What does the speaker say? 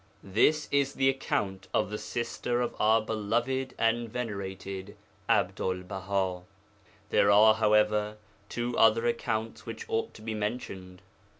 This is the account of the sister of our beloved and venerated Abdul Baha. There are, however, two other accounts which ought to be mentioned.